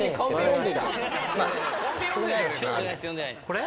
これ？